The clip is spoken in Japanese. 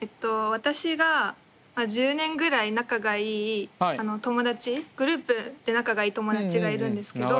私が１０年ぐらい仲がいい友達グループで仲がいい友達がいるんですけど。